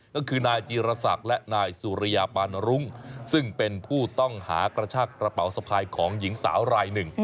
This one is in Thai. ก็คือนายจีรศักดิ์และนายสุริยาปานรุ้งซึ่งเป็นผู้ต้องหากระชากระเป๋าสะพายของหญิงสาวรายหนึ่ง